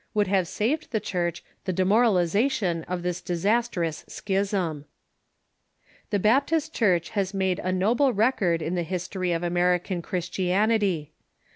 520 THE CHURCH IX THE UNITED STATES have saved the Church the demoralization of this disastrous schism. The Baptist Church has made a noble record in the history of American Christianity.